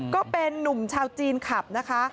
ก็เป็นนุ่มชาวจีนขับนะคะ